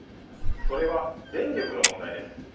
それは電力の問題です。